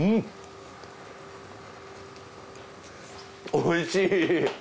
おいしい。